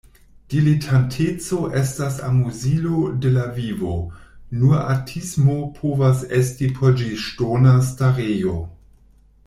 Diletanteco estas amuzilo de la vivo, nur artismo povas esti por ĝi ŝtona starejo.